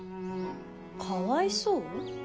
かわいそう？